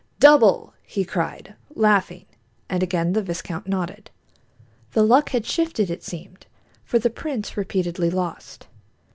"Double!" he cried, laughing, and again the viscount nodded. The luck had shifted, it seemed, for the prince repeatedly lost.